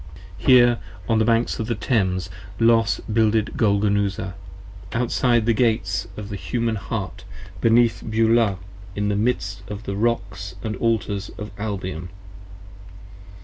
15 Here, on the banks of the Thames, Los builded Golgonooza, Outside of the Gates of the Human Heart beneath Beulah In the midst of the rocks of the Altars of Albion.